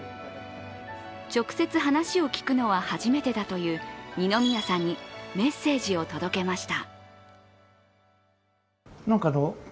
直接話を聞くのは初めてだという二宮さんにメッセージを届けました。